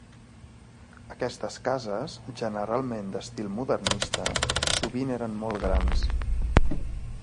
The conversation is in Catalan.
Aquestes cases, generalment d'estil modernista, sovint eren molt grans.